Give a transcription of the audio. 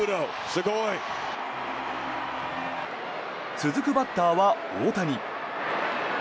続くバッターは大谷。